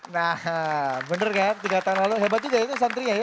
nah bener kan tiga tahun lalu hebat juga itu santrinya ya